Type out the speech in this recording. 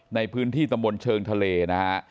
ในพื้นที่ตำบลเชิงทะเลนะฮะ